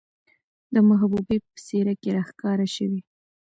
د محبوبې په څېره کې راښکاره شوې،